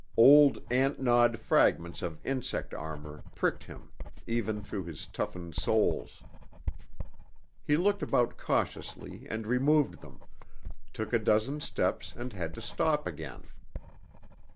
Old ant gnawed fragments of insect armour pricked him even through his toughened soles. He looked about cautiously and removed them, took a dozen steps and had to stop again.